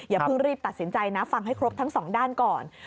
อย่าเพิ่งรีบตัดสินใจนะฟังให้ครบทั้งสองด้านก่อน